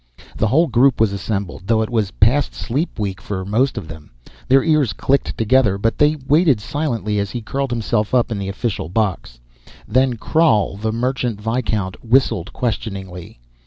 The whole group was assembled, though it was past sleep week for most of them. Their ears clicked together, but they waited silently as he curled himself up in the official box. Then Krhal, the merchant viscount, whistled questioningly.